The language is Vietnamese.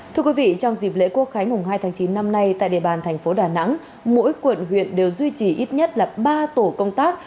trong dịp lễ quốc khái hai tháng chín năm nay tại địa bàn thành phố đà nẵng mỗi quận huyện đều duy trì ít nhất ba tổ công tác